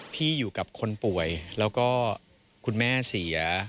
พี่อยู่กับคนป่วยแล้วก็คุณแม่เสีย